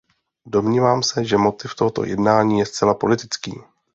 Domnívám se, že motiv tohoto jednání je zcela politický.